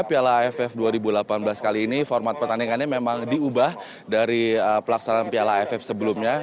piala aff dua ribu delapan belas kali ini format pertandingannya memang diubah dari pelaksanaan piala aff sebelumnya